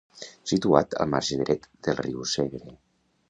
Situat al marge dret del riu Segre.